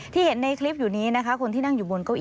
เห็นในคลิปอยู่นี้นะคะคนที่นั่งอยู่บนเก้าอี